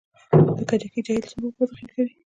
د کجکي جهیل څومره اوبه ذخیره کوي؟